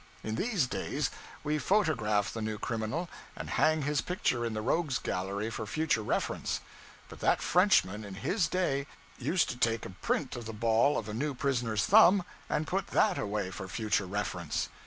In these days, we photograph the new criminal, and hang his picture in the Rogues' Gallery for future reference; but that Frenchman, in his day, used to take a print of the ball of a new prisoner's thumb and put that away for future reference.